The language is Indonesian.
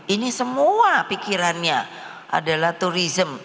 ini semua pikirannya adalah turisme